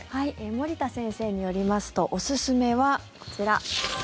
森田先生によりますとおすすめはこちら。